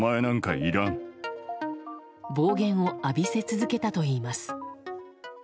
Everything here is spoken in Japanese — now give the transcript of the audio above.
暴言を浴びせ続けたといいます。